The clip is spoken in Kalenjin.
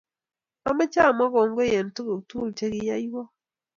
amache amwaa kongoi eng tuguk tugul chegiyoywoo